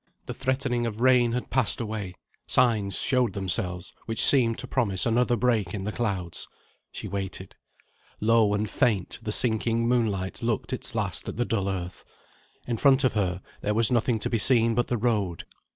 The threatening of rain had passed away: signs showed themselves which seemed to promise another break in the clouds. She waited. Low and faint, the sinking moonlight looked its last at the dull earth. In front of her, there was nothing to be seen but the road.